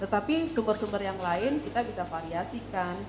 tetapi sumber sumber yang lain kita bisa variasikan